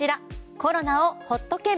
コロナをほっとけん！